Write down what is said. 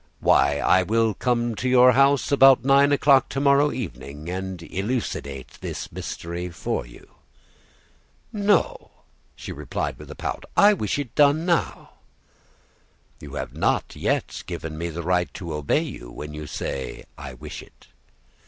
"Why, I will come to your house about nine o'clock to morrow evening, and elucidate this mystery for you." "No," she replied, with a pout; "I wish it done now." "You have not yet given me the right to obey you when you say, 'I wish it.